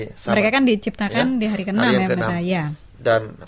mereka kan diciptakan di hari ke enam